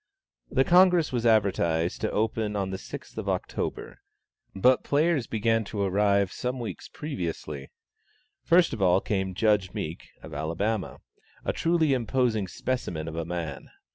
The Congress was advertised to open on the 6th of October, but players began to arrive some weeks previously. First of all came Judge Meek, of Alabama, a truly imposing specimen of a man.